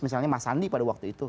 misalnya mas andi pada waktu itu